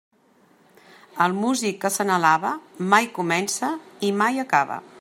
El músic que se n'alaba, mai comença i mai acaba.